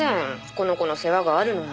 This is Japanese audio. この子の世話があるのに。